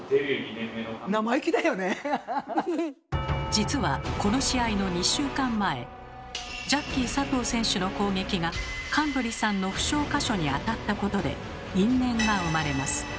実はこの試合の２週間前ジャッキー佐藤選手の攻撃が神取さんの負傷箇所にあたったことで因縁が生まれます。